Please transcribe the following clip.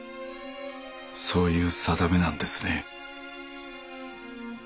そういう定めなんですね。